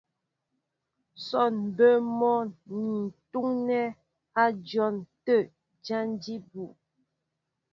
Sɔ́ɔŋ mbɛ́ɛ́ mɔ́ ń túúŋí á dyɔn tə̂ jǎn jí bú.